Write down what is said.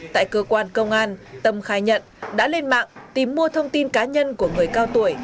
tại cơ quan công an tâm khai nhận đã lên mạng tìm mua thông tin cá nhân của người cao tuổi